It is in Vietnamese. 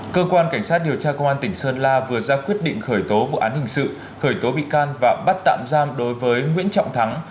cơ quan cảnh sát điều tra công an tỉnh sơn la vừa ra quyết định khởi tố vụ án hình sự khởi tố bị can và bắt tạm giam đối với nguyễn trọng thắng